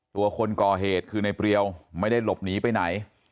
คนก่อเหตุคือในเปรียวไม่ได้หลบหนีไปไหน